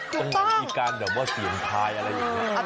มันเหมือนมีการแบบว่าเสี่ยงทายอะไรอย่างนี้